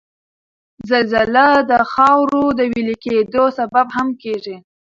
زلزله د د خاورو د ویلي کېدو سبب هم کیږي